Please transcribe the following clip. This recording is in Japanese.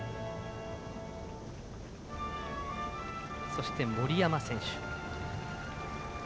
そして、森山選手。